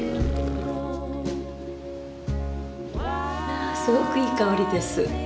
あすごくいい香りです。